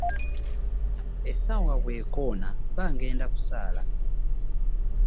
Essaawa bw'ekoona mba ŋŋenda kusaala.